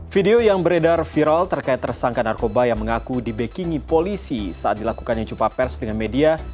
video yang beredar viral terkait tersangka narkoba yang mengaku dibekingi polisi saat dilakukannya jumpa pers dengan media